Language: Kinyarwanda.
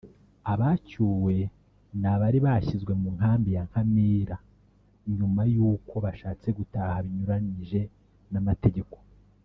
Abacyuwe ni abari bashyizwe mu nkambi ya Nkamira nyuma y’uko bashatse gutaha binyuranije n’amategeko